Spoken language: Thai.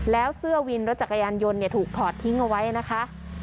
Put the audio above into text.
แล้วเสื้อวินรถจักรยานยนต์ถูกถอดทิ้งเอาไว้นะคะ